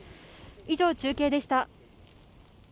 以上、中継でした。